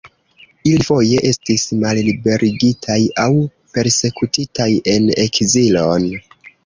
Ili foje estis malliberigitaj aŭ persekutitaj en ekzilon.